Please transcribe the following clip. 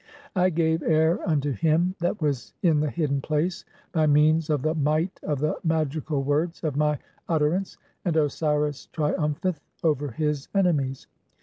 I gave air unto him "that was in the hidden place by means of the might of the "magical words of my utterance, and Osiris triumpheth over his "enemies.